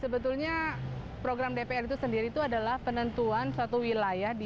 sebetulnya program dpl itu sendiri adalah penentuan suatu wilayah